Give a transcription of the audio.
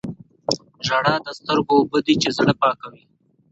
• ژړا د سترګو اوبه دي چې زړه پاکوي.